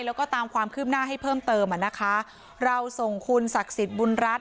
แล้วก็ตามความคืบหน้าให้เพิ่มเติมอ่ะนะคะเราส่งคุณศักดิ์สิทธิ์บุญรัฐ